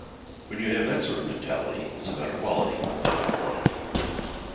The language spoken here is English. When you have that sort of mentality, it's about quality and not quantity.